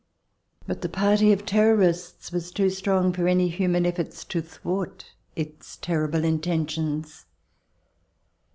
But the party of Terrorists was too strong for any human efforts to thwart its terrible intentions.